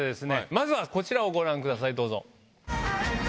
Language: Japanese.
まずはこちらをご覧くださいどうぞ。